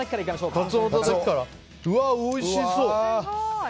うわ、おいしそう！